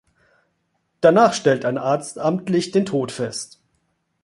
Danach stellt ein Arzt amtlich den Tod fest.